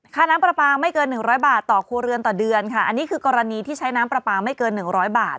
น้ำปลาปลาไม่เกิน๑๐๐บาทต่อครัวเรือนต่อเดือนค่ะอันนี้คือกรณีที่ใช้น้ำปลาปลาไม่เกินหนึ่งร้อยบาท